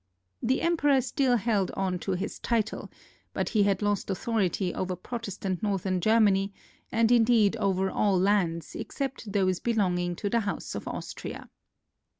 The Emperor still held on to his title, but he had lost authority over Protestant northern Germany, and indeed over all lands except those belonging to the House of Austria.